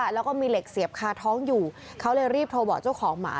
แล้วก็มีเหล็กเสียบคาท้องอยู่เขาเลยรีบโทรบอกเจ้าของหมา